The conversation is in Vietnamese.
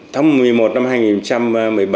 tháng một mươi một năm hai nghìn một mươi bảy